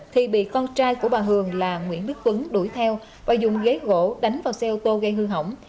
thì bị con trai của bà hường là nguyễn đức tuấn đuổi theo và dùng ghế gỗ đánh vào xe ô tô gây hư hỏng